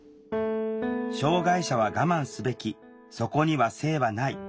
障害者は我慢すべきそこには性はない。